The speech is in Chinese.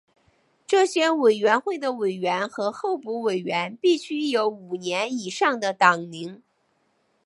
这些委员会的委员和候补委员必须有五年以上的党龄。